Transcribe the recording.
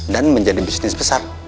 dan menjadi bisnis besar